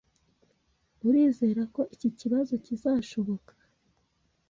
Urizera ko iki kibazo kizashoboka